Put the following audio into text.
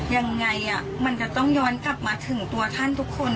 ยังไงมันจะต้องย้อนกลับมาถึงตัวท่านทุกคน